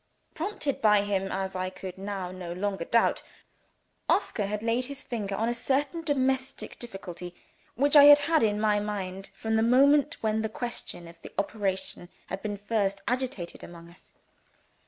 Prompted by him, as I could now no longer doubt, Oscar had laid his finger on a certain domestic difficulty which I had had in my mind, from the moment when the question of the operation had been first agitated among us.